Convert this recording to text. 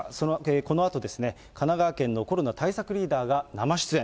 このあと神奈川県のコロナ対策リーダーが生出演。